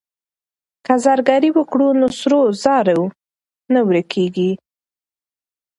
که زرګري وکړو نو سرو زرو نه ورکيږي.